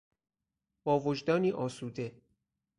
با وجدانی آسوده